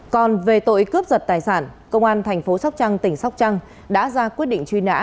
còn về tội cướp giật tài sản công an thành phố sóc trăng tỉnh sóc trăng đã ra quyết định truy nã